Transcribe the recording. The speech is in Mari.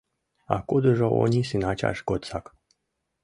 А кудыжо Онисын ачаж годсак.